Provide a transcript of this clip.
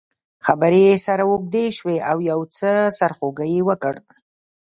خبرې یې سره اوږدې شوې او یو څه سرخوږی یې ورکړ.